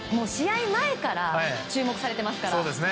試合前から注目されてますから。